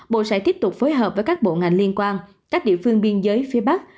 bộ sẽ tiếp tục phối hợp với các bộ ngành liên quan các địa phương biên giới phía bắc